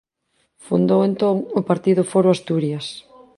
Fundou entón o partido Foro Asturias.